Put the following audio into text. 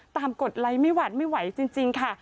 กดไลค์ไม่หวาดไม่ไหวจริงค่ะ